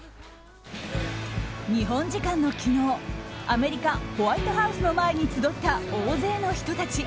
日本時間の昨日、アメリカホワイトハウスの前に集った大勢の人たち。